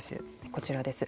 こちらです。